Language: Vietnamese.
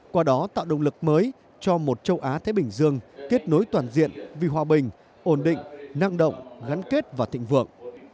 qua đó tạo động lực mới cho một châu á thái bình dương kết nối toàn diện vì hòa bình ổn định năng động gắn kết và thịnh vượng